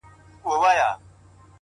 هغه چي هيڅوک نه لري په دې وطن کي’